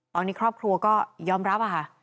ตอนนี้ครอบครัวก็ยอมรับค่ะ